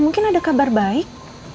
mungkin ada kabar baik